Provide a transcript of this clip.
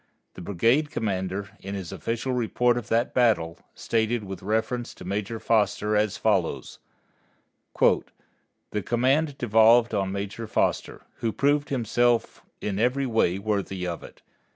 The brigade commander, in his official report of that battle, stated with reference to Major Foster as follows: "The command devolved on Major Foster, who proved himself every way worthy of it.